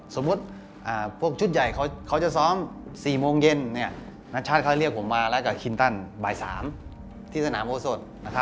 สมมุติพวกชุดใหญ่เขาจะซ้อม๔โมงเย็นนัชชาติเขาเรียกผมมาแล้วกับคินตันบ่าย๓ที่สนามโอสด